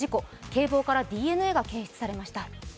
警棒からＤＮＡが検出されました。